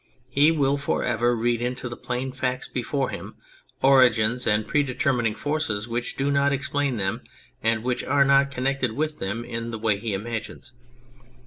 He will for ever read into the plain facts before him origins and pre determining forces which do not explain them and which are not connected with them in the way he imagines.